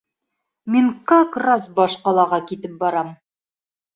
Мин как раз баш ҡалаға китеп барам.